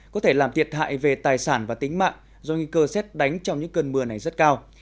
có thể làm thiệt hại về tài sản và tính mạng do nghi cơ xét đánh trong những cơn mưa này rất cao